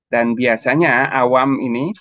dan biasanya awam ini